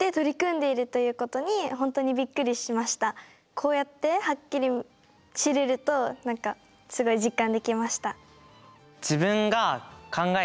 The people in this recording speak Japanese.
こうやってはっきり知れると何かすごい実感できました。